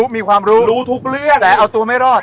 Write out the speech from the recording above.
มีความรู้รู้ทุกเรื่องแหละเอาตัวไม่รอด